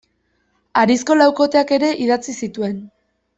Harizko laukoteak ere idatzi zituen.